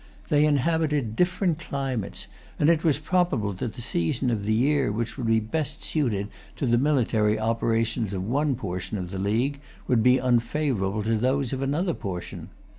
They inhabited different climates, and it was probable that the season of the year which would be best suited to the military operations of one portion of the league would be unfavorable to those of another portion.